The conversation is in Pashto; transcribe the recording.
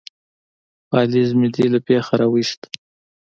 _پالېز مې دې له بېخه را وايست.